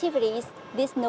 và sáng tạo